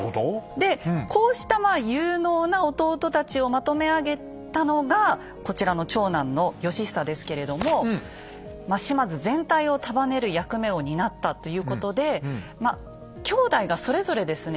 でこうした有能な弟たちをまとめ上げたのがこちらの長男の義久ですけれども島津全体を束ねる役目を担ったということで兄弟がそれぞれですね